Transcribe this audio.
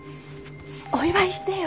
お祝いしてよ。